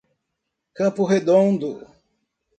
Campo Redondo